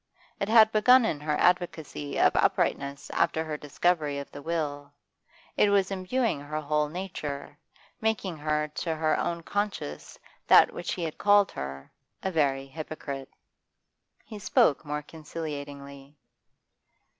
It had begun in her advocacy of uprightness after her discovery of the will; it was imbuing her whole nature, making her to her own conscience that which he had called her a very hypocrite. He spoke more conciliatingly.